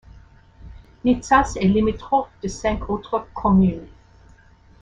Nizas est limitrophe de cinq autres communes.